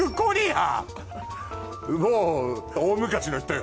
もう大昔の人よ。